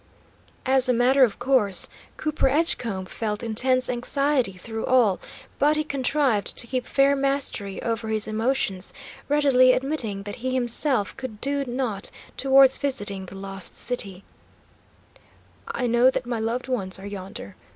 As a matter of course, Cooper Edgecombe felt intense anxiety through all, but he contrived to keep fair mastery over his emotions, readily admitting that he himself could do naught towards visiting the Lost City. "I know that my loved ones are yonder.